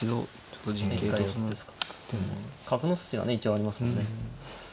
角の筋がね一応ありますもんね。